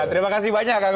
terima kasih banyak